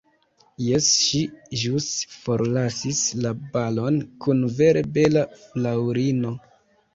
Jes, ŝi ĵus forlasis la balon kun vere bela fraŭlino.